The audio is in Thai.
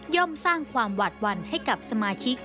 สร้างความหวาดหวั่นให้กับสมาชิก